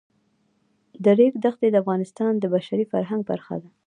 د ریګ دښتې د افغانستان د بشري فرهنګ برخه ده.